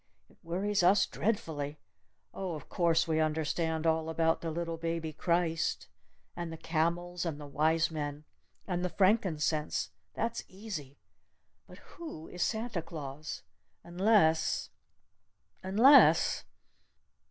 It worries us dreadfully! Oh, of course we understand all about the Little Baby Christ! And the camels! And the wise men! And the frankincense! That's easy! But who is Santa Claus? Unless unless